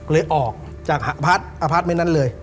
เลยออกจากอพาร์ทเมนต์นั้นเลย